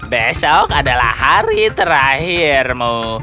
besok adalah hari terakhirmu